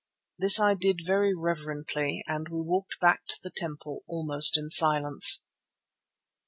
This I did very reverently and we walked back to the temple almost in silence.